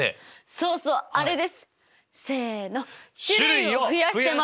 そうそうあれです！せの。